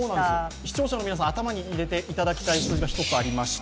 視聴者の皆さんに頭に入れていただきたい数字がありまして